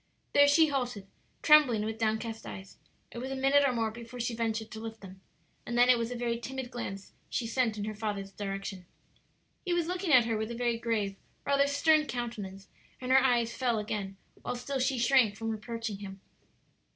There she halted, trembling and with downcast eyes. It was a minute or more before she ventured to lift them, and then it was a very timid glance she sent in her father's direction. He was looking at her with a very grave, rather stern, countenance, and her eyes fell again, while still she shrank from approaching him.